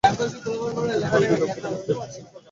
আংটির উপর বিলক্ষণ লোভ দেখছি।